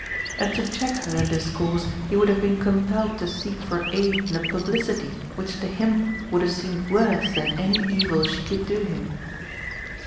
And to check her in this course he would have been compelled to seek for aid in a publicity which to him would have seemed worse than any evil she could do him.